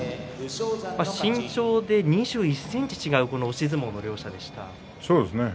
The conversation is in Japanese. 身長が２１ｃｍ違う押し相撲の両者でした。